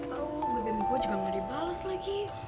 oh baby gue juga gak dibalas lagi